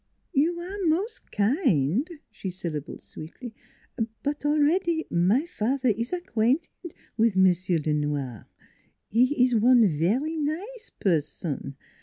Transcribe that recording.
'You aire mos' kind," she syllabled sweetly; " but already my fat'er is acquainted wiz M'sieu' Le Noir. He ees one vary nize person.